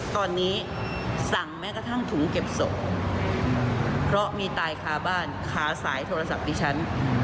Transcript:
ตอนนี้สั่งแม้กระทั่งถุงเก็บศพเพราะมีตายคาบ้านขาสายโทรศัพท์ดิฉัน